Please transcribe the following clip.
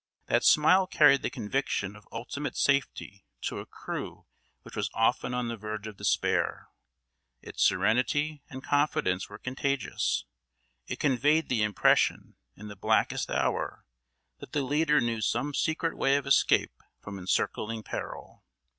That smile carried the conviction of ultimate safety to a crew which was often on the verge of despair; its serenity and confidence were contagious; it conveyed the impression, in the blackest hour, that the leader knew some secret way of escape from encircling peril.